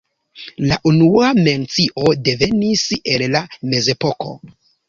La unua mencio devenis el la mezepoko.